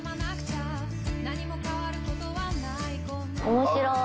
面白い。